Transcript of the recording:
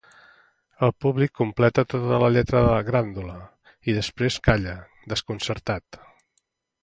El públic completa tota la lletra del “Grândola” i després calla, desconcertat.